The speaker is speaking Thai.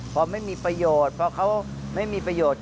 พอไม่มีประโยชน์เพราะเขาไม่มีประโยชน์